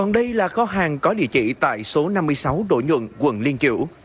còn đây là kho hàng có địa chỉ tại số năm mươi sáu đỗ nhuận quận liên kiểu